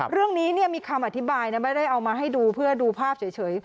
เรื่องนี้มีคำอธิบายนะไม่ได้เอามาให้ดูเพื่อดูภาพเฉย